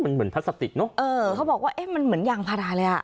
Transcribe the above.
มันเหมือนพลาสติกเนอะเออเขาบอกว่าเอ๊ะมันเหมือนยางพาราเลยอ่ะ